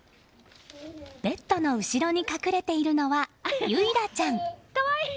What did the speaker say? ベッドの後ろに隠れているのは結咲ちゃん。